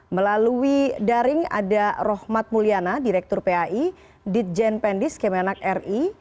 melalui daring ada rohmat mulyana direktur pai ditjen pendis kemenak ri